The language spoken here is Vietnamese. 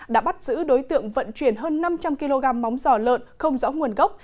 đã bắt giữ đối tượng vận chuyển hơn năm trăm linh kg móng giỏ lợn không rõ nguồn gốc